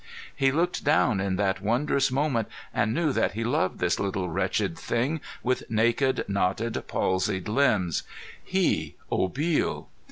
He looked down in that wondrous moment and knew that he loved this little wretched thing with naked, knotted, palsied limbs, he, Obil!